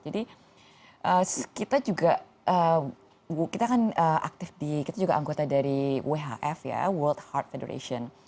jadi kita juga kita kan aktif di kita juga anggota dari whf ya world heart federation